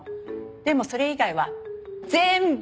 でもそれ以外は全部ヘンテコ。